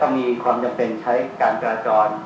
มีความจำเป็นใช้การจราจร